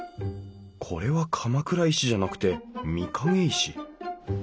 これは鎌倉石じゃなくて御影石。